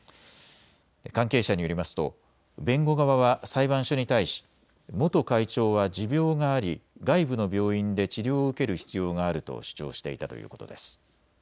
関係者によりますと弁護側は裁判所に対し元会長は持病があり外部の病院で治療を受ける必要があると主張していたということです。